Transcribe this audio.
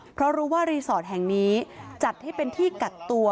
เพราะรู้ว่ารีสอร์ทแห่งนี้จัดให้เป็นที่กักตัว